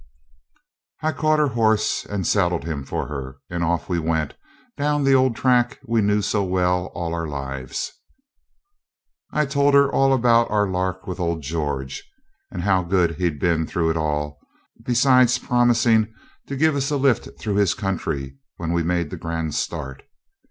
I caught her horse and saddled him for her, and off we went down the old track we knew so well all our lives. I told her all about our lark with old George, and how good he'd been through it all; besides promising to give us a lift through his country when we made the grand start.